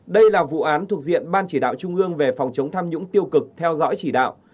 đây là vụ án thuộc diện ban chỉ đạo trung ương về phòng chống tham nhũng tiêu cực theo dõi chỉ đạo